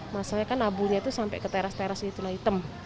masanya kan abunya itu sampai ke teras teras gitu lah hitam